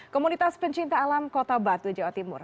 komunitas pencinta alam kota batu jawa timur